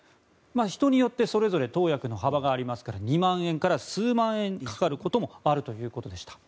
人によってそれぞれ投薬の幅がありますから２万円から数万円かかることもあるということでした。